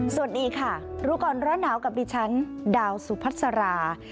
สวัสดีค่ะรู้ก่อนร้อนหนาวกับดิฉันดาวสุพัสรา